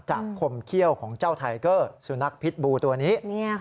คมเขี้ยวของเจ้าไทเกอร์สุนัขพิษบูตัวนี้